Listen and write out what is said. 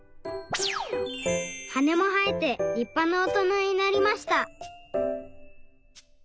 はねもはえてりっぱなおとなになりました。